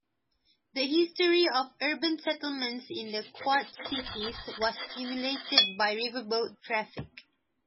The history of urban settlements in the Quad Cities was stimulated by riverboat traffic.